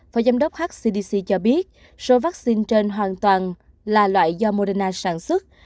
phó giám đốc hcdc cho biết số vaccine trên hoàn toàn là loại do moderna sản xuất